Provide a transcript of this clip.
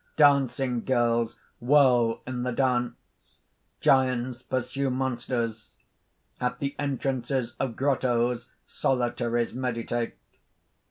Dancing girls whirl in the dance; giants pursue monsters; at the entrances of grottoes solitaries meditate.